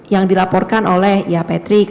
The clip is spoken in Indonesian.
yang dilaporkan oleh ya patrick